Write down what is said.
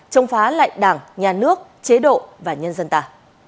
trông phá lạnh đảng nhà nước chế độ và nhân dân ta